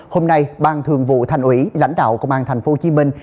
hôm nay ban thường vụ thành ủy lãnh đạo công an thành phố hồ chí minh